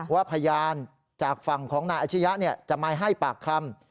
ว่าพยานจากฝั่งของนายอาชิยะจะมาให้ปากคำ